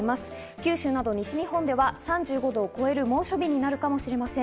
九州など西日本では３５度を超える猛暑日になるかもしれません。